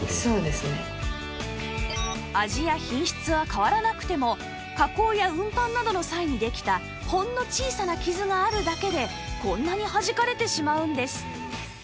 味や品質は変わらなくても加工や運搬などの際にできたほんの小さな傷があるだけでこんなにはじかれてしまうんです